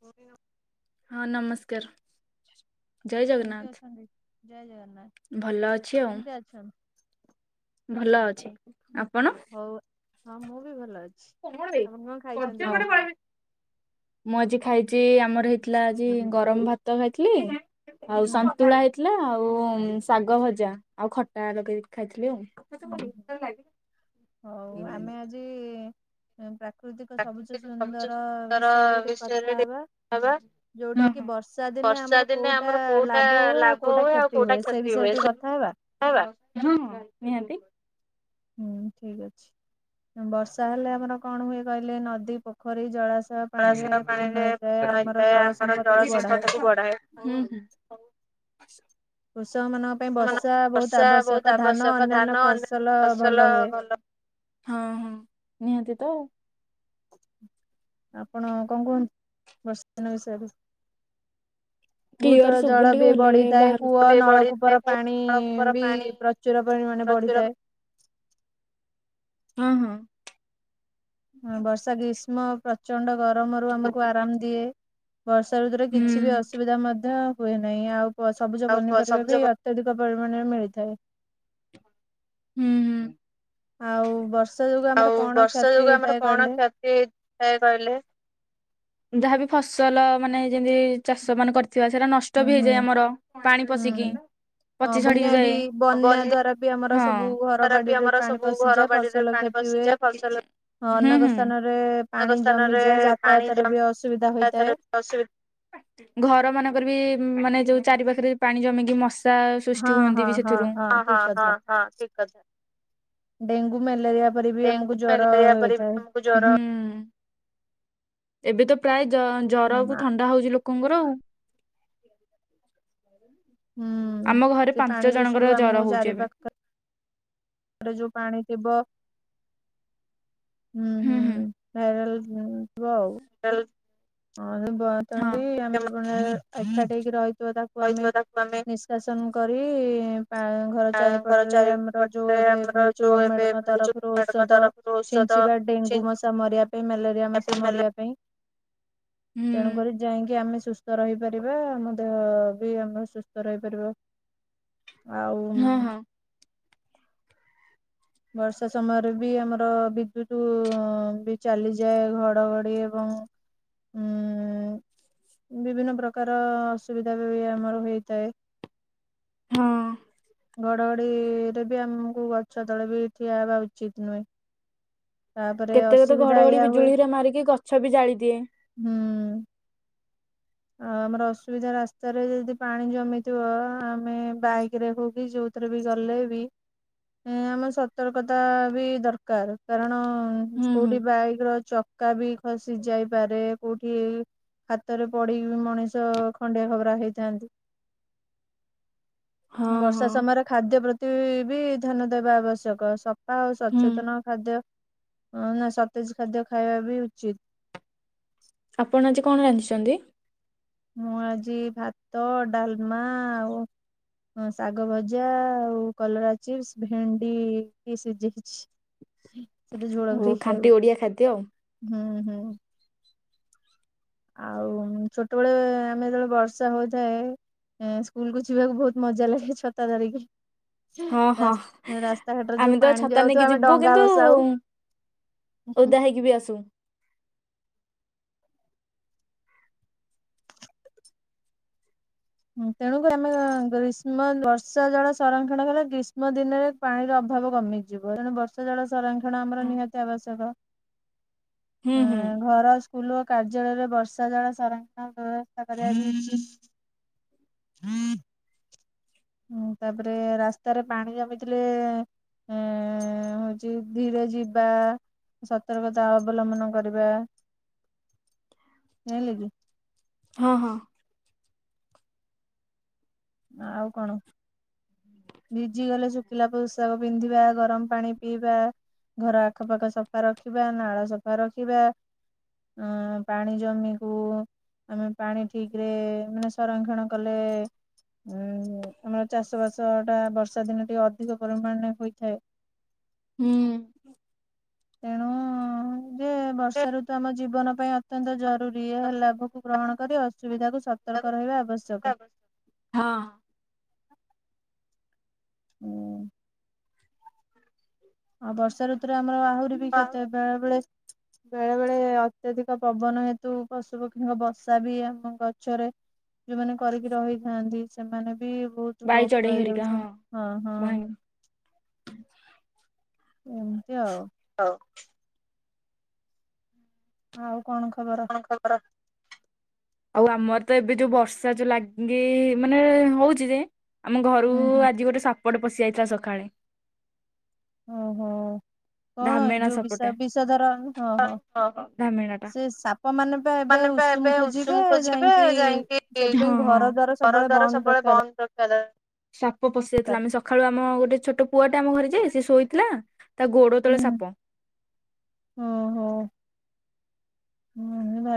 ପୁରୀ ର ହଁ ନମସ୍କାର। ଜୟ କେମତି ଜଗନ୍ନାଥ ଅଛନ୍ତି, ଜୟ ଜଗନ୍ନାଥ, ଭଲ ଅଛି ଆଉ। କେମିତି ଅଛନ୍ତି? ଭଲ ଆଚ୍ଛା ଅଛି, ଆପଣ? ହଉ ହଁ ମୁଁ ବି ଭଲ ଅଛି। କଣ ବେ ଆପଣ କଣ ଖାଇଛନ୍ତି ଆଜି? [unintelligible] ମୁଁ ଆଜି ଖାଇଛି ଆମର ହେଇଥିଲା ଆଜି ଗରମ ଭାତ ଖାଇଥିଲି। ଆଉ ହୁଁ ସନ୍ତୁଳା ହେଇଥିଲା ଆଉ ଶାଗ ଭଜା ଆଉ ଖଟା ଲଗେଇିକି ଖାଇଥିଲି ଆଉ। ହୁଁ ହୁଁ ହଉ ଆମେ ଆଜି ହଁ ପ୍ରାକୃତିକ ସବୁଜ ପ୍ରାକୃତିକ ସବୁଜ ସୁନ୍ଦର ବିଷୟରେ ଟିକେ ବିଷୟରେ କଥା ହବା। ଟିକେ ଯୋଉଟା କି ହବା ବର୍ଷା ଦିନେ ଆମର କୋଉଟା ଲାଭ ହୁଏ ଆଉ କୋଉଟା କ୍ଷତି ହୁଏ ସେ ବିଷୟରେ ଟିକେ କଥା ହେବା। ହଁ ନିହାତି ହୁଁ ଠିକ ଅଛି, ବର୍ଷା ହେଲେ ଆମର କଣ ହୁଏ କହିଲେ ନଦୀ ପୋଖରୀ ଜଳାଶୟ ପାଣିରେ କଳାସ୍ ପାଣିରେ ପୂର୍ଣ୍ଣ ହେଇଯାଏ ଆମର ହେଇଥାଏ ଜଳ ଆମର ଜଳ ସମ୍ପଦକୁ ବଢାଏ। ସମ୍ପଦ କୁ ବଢାଏ। ହୁଁ ହୁଁ। କୃଷକ ମାନଙ୍କ ପାଇଁ ବହୁତ ବର୍ଷା ଆବଶ୍ୟକ ବହୁତ ଧାନ ଆବଶ୍ୟକ, ଅନ୍ୟାନ୍ୟ ଧାନ ଅନ୍ୟ ଫସଲ ଭଲ ଫସଲ ହୁଏ। ଭଲ ହଁ ହଁ ନିହାତି ତଉ। ଆପଣ କଣ କୁହନ୍ତୁ, ବର୍ଷା ଦିନ ବିଷୟରେ। କ୍ଲିୟର ଭୂତଳ ଜଳ ଶୁଭୁନି ଟିକେ ବି ଭଲରେ ବଢିଥାଏ, ବାହାରୁ କୂଅ ବି ବଢିଥାଏ ନଳକୂପର କୁ ପାଣି ନଳକୂପର ବି ପାଣି ପ୍ରଚ ଚୁର ପରିମାଣରେ ପ୍ରଚୁର ବଢିଥାଏ। ହଁ ହଁ। ହଁ ବର୍ଷା ଗ୍ରୀଷ୍ମ ପ୍ରଚଣ୍ଡ ଗରମରୁ ଆମକୁ ହୁଁ। ଆରାମ ଦିଏ। ବର୍ଷା ଋତୁରେ କିଛି ବି ଅସୁବିଧା ମଧ୍ୟ ହୁଏ ନାହିଁ, ଆଉ ସବୁଜ ଆଉ ପନିପରିବା ସବୁଜ ବି ଅ ଅତ୍ୟଧିକ ପରିମାଣରେ ମିଳିଥାଏ। ହୁଁ ଆଉ ବର୍ଷା ଯୋଗୁ ଆମର ଆଉ କଣ ବର୍ଷା କ୍ଷତି ଯୋଗୁ ଆମର ହେଇଥାଏ କଣ କହିଲେ? କ୍ଷ ଯାହାବି ଫସଲ ମାନେ ଯେମିତି ଚାଷ ମାନେ କରି ଥିବ ସେଟା ହୁଁ ନଷ୍ଟ ବି ହୁଁ ହେଇଯାଏ ଆମର ପାଣି ପଶିକି। ହୁଁ। ହଁ ପଚି ସଡି ବନ୍ୟା ବି ଯାଏ, ବନ୍ୟା ବନ୍ୟ ଦ୍ଵାରା ବି ଆମର ହଁ ସବୁ [unintelligible] ଘର ବି ବାଡିରେ ଆମର ପାଣି ସବୁ ଘର ପଶିଯାଏ ବାଡିରେ ଫସଲ ପାଣି କ୍ଷତି ହୁଏ। ପଶିଯାଏ ଫସଲ ହଁ ହୁଁ ଅନେକ ହୁଁ ସ୍ଥାନରେ ପାଣି ଅନେକ ସ୍ଥାନରେ ଜମିଯାଏ ପାଣି ଯାତାୟାତରେ ଜମି ବି ଅସୁବିଧା ହୋଇଥାଏ। ଅସୁ-ଘର ମାନଙ୍କର ବି ମାନେ ଯୋଉ ଚାରି ପାଖରେ ପାଣି ଜମିକି ମଶା ସା, ହଁ ସୃଷ୍ଟି ହୁଅନ୍ତି ହଁ ବି ସେଥିରୁ। ହଁ ହଁ ଠିକ କଥା। ହଁ, ଠିକ୍ କଥା। ଡେଙ୍ଗୁ ମ୍ୟାଲେରିଆ ପରି ବି ଡେଙ୍ଗୁ ଆମକୁ ଜ୍ଵର ମ୍ୟାଲେରିଆ ପରି ବି ହୋଇଥାଏ। ଆମକୁ ଜର ହୁଁ। ଏବେ ତ ପ୍ରାୟ ଜ- ହୁଁ ଜର କୁ ଆ ଥଣ୍ଡା ହଉଛି ଲୋକ କୁଙ୍ଗୁରୁ ହୁଁ ଆମ ଘରେ ସେ ପାଣି ପାଞ୍ଚ ଦୋଷରୁ ଜଣଙ୍କର ଆମକୁ ଜର ହଉଛି ଏବେ। ତାରେ ଯୋଉ ପାଣି ଥିବ। ହୁଁ ହୁଁ। ଭାଇରାଲ ହୋଉ ଥିବ। ଚାଲ୍ ହଁ ତଣକୁ ଆମ ଏକାଠ ହେକି ରହିଛି [unintelligible] ତାକୁ ଆମେ ରହିଥିବ ତାକୁ ଆମେ ନିଷ୍କାସନ କରି। ଘର ଘର ଚାରିପଟରେ ଆମର ଯୋଉ ଚାରିପଟରେ ଏବେ ଆମର ମିଳୁଛି ଯୋଉ ଏବେ ଗଭର୍ଣମେଣ୍ଟଙ୍କ ମିଳୁଛି ତରଫରୁ, ଗଭର୍ଣ୍ଣମେଣ୍ଟଙ୍କ ଔଷଧ ତରଫରୁ ଔଷଧ ଛିଞ୍ଚିବା ଡେଙ୍ଗୁ ଛିଞ୍ଚିବା ମଶା ମରିିବା ପା କି ମ୍ୟାଲେରିଆ ମସା ପାଇଁ ମେଲେ ମରିବା ପାଇଁ। ହୁଁ ତେଣୁକରି ଯାଇକି ଆମେ ସୁସ୍ଥ ରହିପାରିବା। ଆମ ଦେହ ବି ଆମର ସୁସ୍ଥ ରହିପାରିବା। ଆଉ ହଁ ହଁ ବର୍ଷା ସମୟରେ ବି ଆମର ବିଦ୍ୟୁତ ବି ଚାଲିଯାଏ, ଘଡଘଡି ଏବଂ ଉଁ ବିଭିନ୍ନ ପ୍ରକାର ଅସୁବିଧା ବି ଆମର ହେଇଥାଏ। ହଁ। ଘଡଘଡି ରେ ବି ଆମକୁ ଗଛ ତଳେ ବି ଠିଆ ହବା ଉଚିତ ନୁହେଁ। ତାପରେ କେତେ କେତେ ଅସୁବିଧା ଘଡଘଡି ଏଇଆ ହୁଏ ବିଜୁଳି ରେ ମାରିକି ଗଛ ବି ଜାଳି ଦିଏ। ହୁଁ। ଆଉ ଆମର ଅସୁବିଧା ରାସ୍ତାରେ ଯଦି ପାଣି ଜମିଥିବ, ଆମେ ବାଇକରେ ହଉ କିି ଯୋଉ ବି ଗଲେବି ଆମ ସତର୍କତା ବି ଦରକାର। କାରଣ ହୁଁ ହୁଁ କୋଉଠି ବାଇକ ର ଚକା ବି ଖସି ଯାଇପାରେ। କୋଉଠି ହାତରେ ପଡିକି ମଣିଷ ଖଣ୍ଡିଆ ଖାବରା ହେଇଥାନ୍ତି। ହଁ ହଁ ବର୍ଷା ସମୟରେ ଖାଦ୍ୟ ପ୍ରତି ବି ଧ୍ୟାନ ଦେବା ଆବଶ୍ୟକ। ସ ଆଉ ହୁଁ ସଚେତନ ଖାଦ୍ୟ, ନା ସତେଜ ଖାଦ୍ୟ ଖାଇବା ବି ଉଚିତ। ଆପଣ ଆଜି କଣ ରାନ୍ଧିଛନ୍ତି? ମୁଁ ଆଜି ଭାତ, ଡାଲମା, ଆଉ ହଁ ଶାଗ ଭଜା, ଆଉ କଲରା ଚିପ୍ସ, ଭେଣ୍ଡି ସିଝେଇଛି। ସେଟା ଝୋଳ ଓ କରି ଖାଣ୍ଟି ଖାଇବୁ। ଓଡିଆ ଖାଦ୍ୟ ଆଉ। ହୁଁ ହୁଁ। ଆଉ ଛୋଟବେଳେ, ଆମେ ଯେତେବେଳେ ବର୍ଷା ହଉଥାଏ ଏ ସ୍କୁଲ କୁ ଯିବାକୁ ବହୁତ ମଜା ଲାଗେ ଛତା ଧରିକି। ହଁ ହଁ ରାସ-ରାସ୍ତା ଘାଟରେ ଆମେ ଯୋଉ ତ ପାଣି ଛତା ନେଇକି ଯାଉଥିବ ଆମେ ଯିବୁ ଡଙ୍ଗା କିନ୍ତୁ ଭସାଉ। ଓଦା ହେଇକି ବି ଆସୁ। ହଁ ତେଣୁକରି ଆମେ, ଗ୍ରୀଷ୍ମ ବର୍ଷା ଜଡା ସଂରକ୍ଷଣ କଲେ, ଗ୍ରୀଷ୍ମ ଦିନରେ ପାଣିର ଅଭାବ କମିଯିବ, ତେଣୁ ବର୍ଷା ଜଳ ସଂରକ୍ଷଣ ଆମର ନିହାତି ଆବଶ୍ୟକ। ହୁଁ ହଁ ହୁଁ ଘର ସ୍କୁଲ ଓ କାର୍ଯ୍ୟାଳୟରେ ବର୍ଷା ଜଳ ସଂରକ୍ଷଣ ବ୍ୟବସ୍ଥା କରାଯାଇଛି। ହୁଁ [unintelligible] ହୁଁ ତାପରେ ରାସ୍ତାରେ ପାଣି ଜମିଥିଲେ ଏ ହଉଛି ଧୀରେ ଯିବା ସତର୍କତା ଅବଲମ୍ବନ କରିବା। ଯାଇଁଲେ କି। ହଁ ହଁ। ଆଉ କଣ? ଭିଜି ଗଲେ ଶୁଖିଲା ପୋଷାକ ପିନ୍ଧିବା, ଗରମ ପାଣି ପିଇବା। ଘର ଆଖପାଖ ସଫା ରଖିବା। ନାଳ ସଫା ରଖିବା। ଅ ପାଣି ଜମିକୁୁ ଆମେ ପାଣି ଠିକରେ ମାନେ ସଂରକ୍ଷଣ କଲେ ଉୁଁ, ଆମର ଚାଷ ବାସ ଟା ବର୍ଷା ଦିନ ଟିକେ ଅଧିକ ପରିମାଣରେ ହୋଇଥାଏ। ହୁଁ ଉଁ ତେଣୁ ଯୋଉ ବର୍ଷା ତାକୁ ଋତୁ ଆମ ଜୀବନ ପାଇଁ ଅତ୍ୟ ଅତ୍ୟନ୍ତ ଜରୁରୀ ସତର୍କ ଏହା ଲାଭକୁ ରହିବା ଗ୍ରହଣ କରି ଅସୁବିଧାକୁ ସତର୍କ ରହିବା ଆବଶ୍ୟକ। ଆବଶ୍ୟକ। ହଁ ଅଁ ହୁଁ ଉଁ ଆଉ ବର୍ଷା ଋତୁରେ ଆମର ଆହୁରି ବି କ୍ଷତି ହେଉଥିବା ବେଳେ ବେଳେ ବେଳେ ଅତ୍ୟଧିକ ପବନ ହେତୁ ପଶୁ ପକ୍ଷୀଙ୍କ ବର୍ଷା ବି ଆମ ଗଛରେ ଯୋଉମାନେ କରିକି ରହିଥାନ୍ତି, ସେମାନେ ବି ବହୁତ ବାଇ ଲୋପ ଚଢେଇ ପାଇ ହେରିକା ଯାଉଛନ୍ତି। ହଁ ହଁ ବାହାଣି। [inaudible] ଏମିତି ଆଉ ହଉ ଆଉ କଣ ଖବର? କଣ ଖବର ଆଉ ଆମର ତ ଏବେ ଯୋଉ ବର୍ଷା ଯୋଉ ଲାଗି ମାନେ ହଉଚି ଯେ ଆମ ହୁଁ ଘରୁକୁ ହୁଁ ଆଜି ଗୋଟେ ସାପଟେ ପଶି ଆଇଥିଲା ସକାଳେ ଓହୋ କଣ ଧାମେଣା ଯୋଉ ବି ସାପଟେ। ବିଷଧର, ହଁ ହଁ ଓହୋ ସେ ସାପ ମାନେ ଏ ଏବେ ଉଷୁମ ଖୋଜିବେ ଯାଇକି ସେଥିପାଇଁ ଘର ଦ୍ୱାର ସବୁବେଳେ ବନ୍ଦ କରିଥିବା ଦରକାର। [unintelligible] ସାପ ପଶି ଯାଇଥିଲା, ଆମେ ସକାଳୁ ଆମ ଗୋଟେ ଛୋଟ ପୁଅ ଟା ଆମ ଘରେ ଯେ, ସେ ଶୋଇଥିଲା ତା ଗୋଡ [unintelligible] ସାପ ଓ ହୋ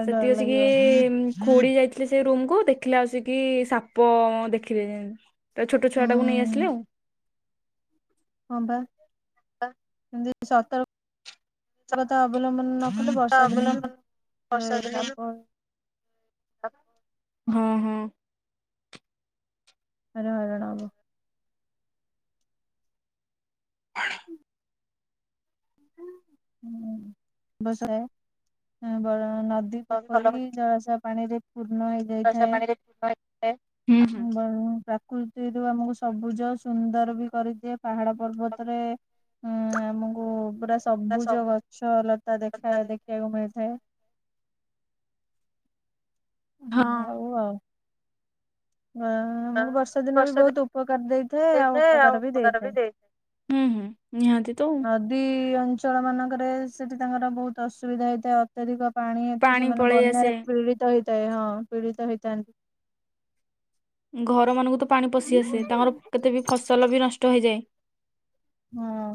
ସେତିକି ଇ ସି ଖୁଡି ଯାଇ ସେ ରୁମକୁୁ ଦେଖିଲା ବେଳୁ ସେଇଠି ସାପ ଦେଖିଲେ, ଯେ ଛୋଟ ଛୁଆ ଟାକୁ ନେଇ ହୁଁ ଆସିଲେ ଆଉ ହଁ ବା, ଏମତି ସାପ ସତର୍କତା ଅବଲମ୍ବନ ମାନେ ବର୍ଷା ଦିନେ ଅବଲମ୍ବନ ହେଲେ ବର୍ଷା ଦିନେ ସାପ ବି ସାପ ହଁ ହଁ ଭାରି ହଇରାଣ ହବ। [unintelligible] ସ ବ ନଦୀ ଭଲ ପୋଖରୀ ଜଳାଶୟ ପାଣିରେ ପୂର୍ଣ୍ଣ ବର୍ଷା ହେଇଯାଇଥାଏ, ପାଣିରେ ହୁଁ ହୁଁ। ପ୍ରାକୃତି ସେଇଠୁ ଆମକୁ ସବୁଜ ସୁନ୍ଦର ବି କରିଦିଏ ପାହାଡ ପର୍ବତରେ ହୁଁ ଆମକୁ ପୁରା ସବୁଜ ଗଛ ଲତା ଦେଖା ଦେଖିବାକୁ ମିଳିଥାଏ। ହଁ ଅଁ ଅ ଆମକୁ ବର୍ଷା ଦିନ ବି ବହୁତ ଉପକାର ଦେଇଥାଏ, ଆଉ ଅପକାର ବି ଦେଇଥାଏ। ହୁଁ ହୁଁ ନିହାତି ତ ନଦୀ ଅଞ୍ଚଳ ମାନଙ୍କରେ ସେଠି ତାଙ୍କର ବହୁତ ଅସୁବିଧା ହେଇଥାଏ। ଅତ୍ୟଧିକ ପାଣି ହେତୁ ସେମାନେ ପଳେଇ ଆସେ। ବନ୍ୟାରେ ପୀଡିତ ହେଇଥାଏ, ହଁ ପୀଡିତ ହେଇଥାନ୍ତି। ଘର ମାନଙ୍କୁ ତ ପାଣି ପଶି ଆସେ ତାଙ୍କର କେତେ ବି ଫସଲ ବି ନଷ୍ଟ ହେଇଯାଏ। ହଁ ଅ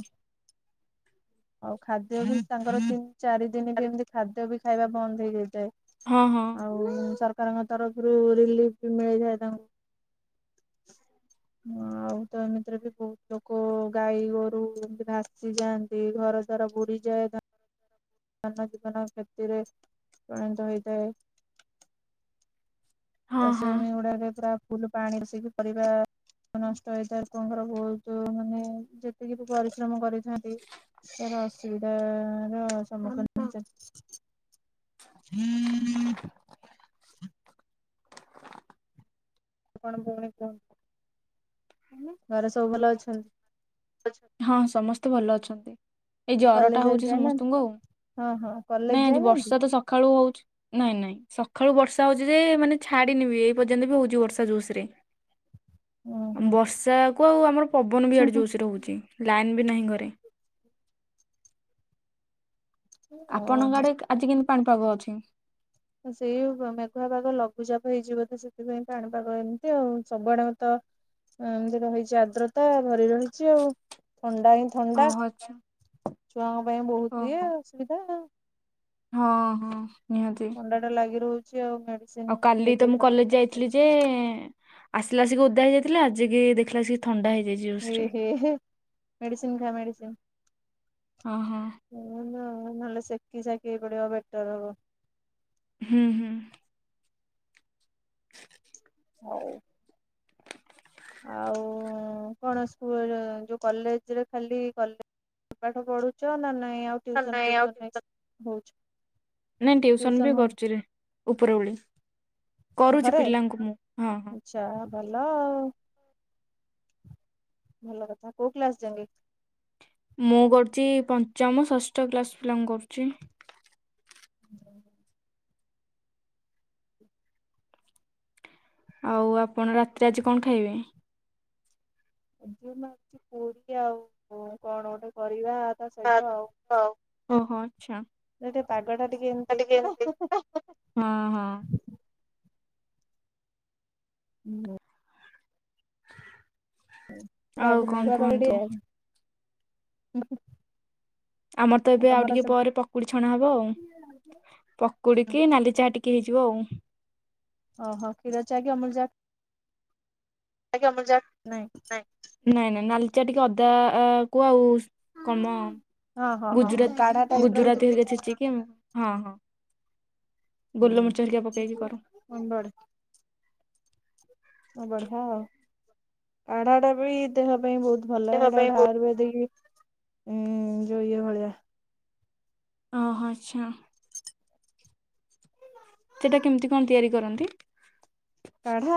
ଆଉ ଖାଦ୍ୟ ବି ତାଙ୍କର ତିନି ଚାରି ଦିନ ବି ଏମିତି ଖାଦ୍ୟ ବି ଖାଇବା ବନ୍ଦ ହେଇଯାଇଥାଏ। ହଁ ହଁ। ଆଉ ସରକାରଙ୍କ ତରଫରୁ ରିଲିଫ ବି ମିଳିଥାଏ ତାଙ୍କୁ ଆଉ ତ ଏମିତିରେ ବି ବହୁତ ଲୋକ ଗାଈ ଗୋରୁ ଏମତି ଭାସିଯାଆନ୍ତି। ସେ ଘର ଦ୍ୱାର ବୁଡି ଯାଏ। ଜନ ଜୀବନ କ୍ଷତିରେ ପ୍ରଣିତ ହେଇଥାଏ। ହଁ ହଁ। ଚାଷଜମି ଗୁଡାକ ପୁରା ଫୁଲ ପାଣି ଆସିକି ପରିବା ନଷ୍ଟ ହେଇଥାଏ, ଲୋକଙ୍କର ଙ ବହୁତ ମାନେ ଯେତିକି ବି ପରିଶ୍ରମ କରି ନାହାଁନ୍ତି ସେ ଅସ୍ ଅସୁବିଧା ର ସମ୍ମୁଖୀନ ହେଇସାରି ଘରେ ସବୁ ଭଲ ଅଛନ୍ତ? ହଁ ସମସ୍ତେ ଭଲ ଅଛନ୍ତି। ଏଇ ଜର ଟା କଲେଜ ହଉଚି ଯାଇନାହାନ୍ତି ସମସ୍ତଙ୍କୁ ଆଉ ହଁ ହଁ କଲେଜ ନାଇଁ ଆଜି ଯାଇନାହାନ୍ତି? ବର୍ଷା ତ ସକାଳୁ ହଉଚି। ନାଇଁ ନାଇଁ ସକାଳୁ ବର୍ଷା ହଉଚି ଯେ ମାନେ ଛାଡିନି ବି ଏଇ ପର୍ଯ୍ୟନ୍ତ ବି ହଉଚି ବର୍ଷା ଜୋସରେ। ଅଁ ଓହୋ। ବର୍ଷା କୁ ଆଉ ଆମର ପବନ ବି ଆଡେ ଜୋସ୍ ରେ ହଉଚି ଲାଇନ ବି ନାହିଁ ଘରେ। ଆପଣଙ୍କ ଓହୋ ଆଡେ ଆଜି କେମିତି ପାଣିପାଗ ଅଛି? ହଁ ସେଇ ପ ମେଘୁଆପାଗ ଲଘୁଚାପ ହେଇଚି ବୋଧେ ସେଥିପାଇଁ ପାଣିପାଗ ଏମିତି ଆଉ। ସବୁଆଡେ ତ ଏଁ ଏମିତି ରହିଚି ଆର୍ଦ୍ରତା ଭରି ରହିଚି ଆଉ। ଥଣ୍ଡା କିନ୍ ଥଣ୍ଡା ଓହୋ ଆଚ୍ଛା ଛୁଆଙ୍କ ପାଇଁ ବହୁତ ଇଏ ଓହୋ। ଅସୁବିଧା। ହଁ ହଁ ନିହାତି। ଥଣ୍ଡା ଟା ଲାଗି ରହୁଚି ଆଉ। ମେଡ୍ ଆଉ କାଲି ତ ମୁଁ କଲେଜ ଯାଇଥିଲି ଯେ ଆସିଲା ଆସକି ଓଦା ହେଇଯାଇଥିଲା। ଆଜି କିି ଦେଖିଲା କୁ ସିଏ ଥଣ୍ଡା ହେଇଯାଇଚି। ଜ ଏ ହେ ମେଡିସିନ୍ ଖା ମେଡିସିନ୍। ଅଁ ହଁ। ଓହୋ ନହେଲେ ସେକି ସାକି ହେଇ ପଡିବ ବେଟର ହବ। ହୁଁ ହୁଁ। ହ [unintelligible] ହଉ। ଆଉ ଉଁ କଣ ସ୍କୁଲ ଯୋଉ କଲେଜରେ ଖାଲି କଲେଜ ପାଠ ପଢୁଚ ନା ନାଇଁ ଆଉ ଟିୟୁସନ୍ ନାଇଁ ଫିୟୁସନ୍ ଆଉ ନାଇ ହଉଚି। ନାଇଁ ଟିୟୁସନ ବି କରୁଚି ରେ ଉପର ଓଳି କରୁଚି ଘରେ ପିଲାଙ୍କୁ ମୁଁ ହଁ ହଁ। ଆଚ୍ଛା ଭଲ। ଭଲ କଥା କୋଉ କ୍ଲାସ ଯାଙ୍କେ? ମୁଁ କରୁଚି ପଞ୍ଚମ, ଷଷ୍ଠ କ୍ଲାସ ପିଲାଙ୍କୁ କରୁଚି। ଉ ହୁଁ। ଆଉ ଆପଣ ରାତିରେ ଆଜି କଣ ଖାଇବେ? ଏ ମୁଁ ଭାବୁଚି ପୁରି ଆଉ କଣ ଗୋଟେ କରିବା ତା ସହିତ ଆଉ। ଓହୋ ଆଚ୍ଛା ଟିକେ ପାଗ ଟା ଟିକେ ଏମିତି ଦେଇଛି ନା ହଁ ହଁ। ହୁଁ। ସେଇଟା ଆଉ ଆଗେ କଣ ମେଘୁଆ ପାଗ କୁହନ୍ତୁ ଟିଏ ଆମର ତ ଏବେ ଆଉ ଟିକେ ସବୁ ପରେ ପ୍ ପକୁଡି ଛଣା ହବ ଆଉ। ପକୁଡିକି ନାଲି ଚାହା ଟିକେ ହେଇଯିବ ଆଉ। ଓହୋ କ୍ଷୀର ଚା କି ଅମୂଲ ଚ଼ା? ଆଜ୍ଞା ଅମୂଲ୍ ଚା। ନାଇଁ। ନାଇଁ ନାଇଁ ନାଲିଚା ଟିକେ ଅଦା ଆ କୁ ଆଉ ସ୍ କଁ ମ ହଁ ହଁ ହଁ ଗୁଜୁରାତ୍ କାଢା ଟାଇପ ର ହେଇଛି। ଗୁଜୁରାତି ହେରିକା ଛେଛିକି ଉଁ ଗୋଲମରିଚ ହେରିକା ପକେଇକି କରୁ। ହଁ ବଢ଼ ହଁ ବଢିଆ ଆଉ କାଢ଼ା ଟା ବି ଦେହ ପାଇଁ ବହୁତ ଭଲ ଦେହ ଏଇଟା ପାଇଁ ଗୋଟେ ବହୁତ ଆୟୁର୍ବେଦିକ ଉଁ ଯୋଉ ଇଏ ଭଳିଆ ହଁ ହ ଆଚ୍ଛା। ସେଟା କେମିତି କଣ ତିଆରି କରନ୍ତି? କାଢା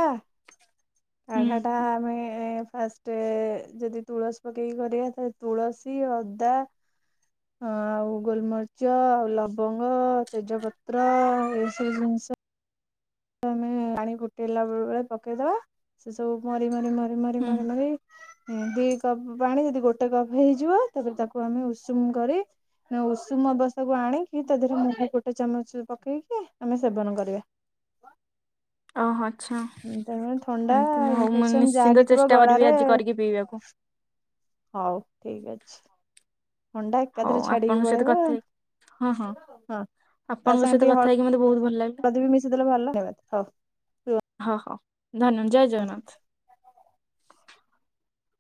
ହୁଁ କାଢା ଟା ଆମେ ଫାଷ୍ଟ୍ ଟେ ଯଦି ତୁଳସୀ ପକେଇକି କରିବା ତାହେଲେ ତୁଳସୀ, ଅଦା ଅ ଆଉ ଗୋଲମରିଚ ଆଉ ଲବଙ୍ଗ, ତେଜପତ୍ର ଏଇ ସବୁ ଜିନିଷ। ଆମେ ପାଣି ଫୁଟେଇଲା ବେଳେ ପକେଇଦବା ସେ ସବୁ ମରି ମରି ମରି ମରି ହୁଁ ମରି ହୁଁ ମରି ଦିଇ କପ୍ ପାଣି ଯଦି ଗୋଟେ କପ୍ ହେଇଯିବ ତାପରେ ତାକୁ ଆମେ ଉଷୁମ କରି ନା ଉଷୁମ ଅବସ୍ଥା କୁ ଆଣିକି ତା ଦେହରେ ମୁ ଗୋଟେ ଚାମଚ ପକେଇକି ଆମେ ସେବନ କରିବା। ଓହୋ ଆଚ୍ଛା ତ ଥଣ୍ଡା ଏମିତି ମୁଁ ହଉ ମୁଁ ଇନଫେକ୍ସନ ଯାହା ନିଶ୍ଚିନ୍ତ ବି ଥିବ ଚେଷ୍ଟା କରିବି ଗଳାରେ ଆଜି କରିକି ପିଇବାକୁ। ହଉ ଠିକ ଅଛି। ଅଣ୍ଡା ହଉ ଏକାଥରେ ଛାଡିକି ଆପଣଙ୍କ ସହିତ ପଳେଇବା କଥା ହେଇକି- ହଁ ହଁ ଆପଣଙ୍କ ସହିତ କଥା ହେଇକି ମତେ ବହୁତ ଭଲ ଲାଗେ। ଯଦ ବି ମିଶିଦେଲେ ଭଲ [unintelligible] ହଉ। ହଁ ହଁ ଧନ୍ୟ ଜୟ ଜଗନ୍ନାଥ।